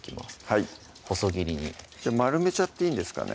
はい細切りに丸めちゃっていいんですかね？